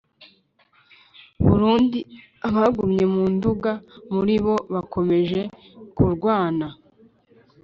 Burundi abagumye mu nduga muri bo bakomeje kurwana